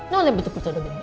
no rebit aku sudah kenyang